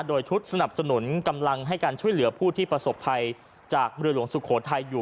โดยชุดสนับสนุนกำลังให้การช่วยเหลือผู้ที่ประสบภัยจากเรือหลวงสุโขทัยอยู่